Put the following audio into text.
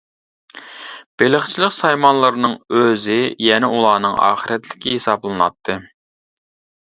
بېلىقچىلىق سايمانلىرىنىڭ ئۆزى يەنە ئۇلارنىڭ ئاخىرەتلىكى ھېسابلىناتتى.